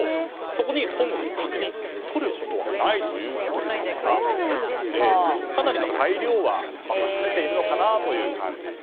そこで本国の確認を取ることはないということですからかなりの裁量は任されているのかなという感じ。